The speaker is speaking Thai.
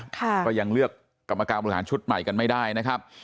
ก็ยังเลือกกรรมการบริหารชุดใหม่กันไม่ได้นะครับ